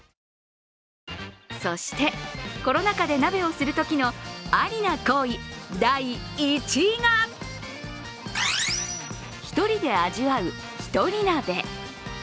そして、コロナ禍で鍋をするときのありな行為、第１位が１人で味わう１人鍋。